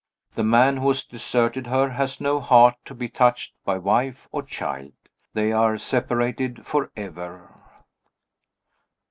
The man who has deserted her has no heart to be touched by wife or child. They are separated forever.